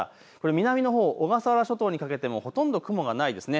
南のほう、小笠原諸島にかけてもほとんど雲がないですね。